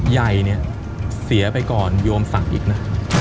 ใหญ่เนี่ยเสียไปก่อนโยมสั่งอีกนะ